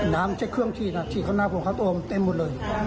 น้ำเช็คเครื่องฉีดฉีดเข้าหน้าผมเขาโมมเต็มหมดเลย